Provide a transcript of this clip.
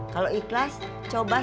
kalau ikhlas coba senyum seperti titin